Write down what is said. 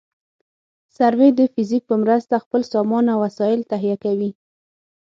سروې د فزیک په مرسته خپل سامان او وسایل تهیه کوي